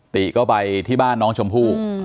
ติก็ไปที่บ้านน้องชมพู่